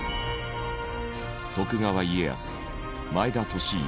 徳川家康前田利家